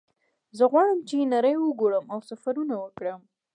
زه غواړم چې نړۍ وګورم او سفرونه وکړم